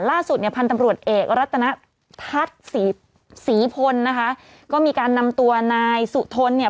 ล่าสุดเนี่ยพันธุ์ตำรวจเอกรัตนทัศน์ศรีศรีพลนะคะก็มีการนำตัวนายสุทนเนี่ย